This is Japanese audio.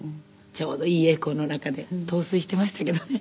ちょうどいいエコーの中で陶酔していましたけどね。